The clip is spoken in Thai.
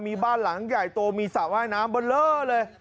มีบ้านหลังใหญ่โตมีสระว่ายน้ำเบอร์เลอร์เลย